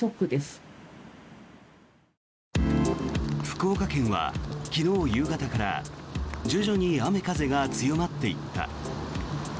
福岡県は昨日夕方から徐々に雨、風が強まっていった。